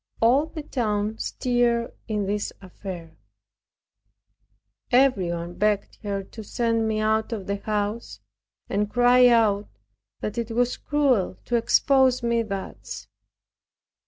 All the town stirred in this affair. Everyone begged her to send me out of the house, and cried out that it was cruel to expose me thus.